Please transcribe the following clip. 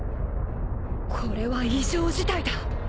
これは異常事態だ。